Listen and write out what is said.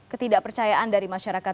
ketidakpercayaan dari masyarakat